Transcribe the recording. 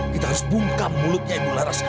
kita harus bungkam mulutnya ibu laras